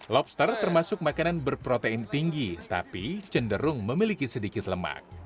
lobster termasuk makanan berprotein tinggi tapi cenderung memiliki sedikit lemak